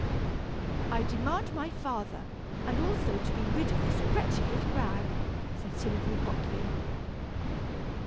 "I demand my father, and also to be rid of this wretched little rag," said Timothy hotly.